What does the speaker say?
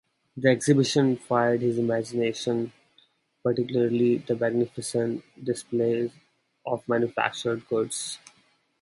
The exhibition fired his imagination, particularly the magnificent displays of manufactured goods.